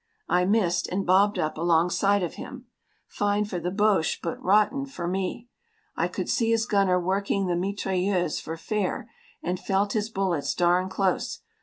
I missed, and bobbed up alongside of him. Fine for the Boche, but rotten for me! I could see his gunner working the mitrailleuse for fair, and felt his bullets darn close.